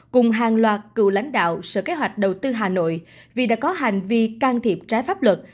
cùng hàng loạt cựu lãnh đạo sở kế hoạch đầu tư hà nội vì đã có hành vi can thiệp trái pháp luật